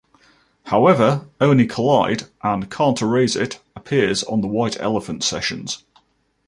However, only "Collide" and "Can't Erase It" appears on "The White Elephant Sessions".